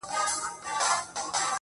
د هر غم په ښهرگو کي آهتزاز دی_